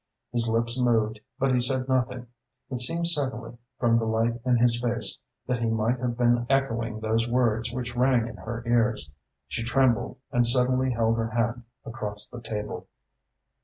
His lips moved but he said nothing. It seemed suddenly, from the light in his face, that he might have been echoing those words which rang in her ears. She trembled and suddenly held her hand across the table.